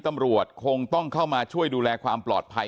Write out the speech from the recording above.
ตำรวจคงต้องเข้ามาช่วยดูแลความปลอดภัย